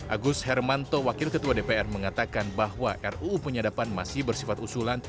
agus hermanto wakil ketua dpr mengatakan bahwa ruu penyadapan masih bersifat usulan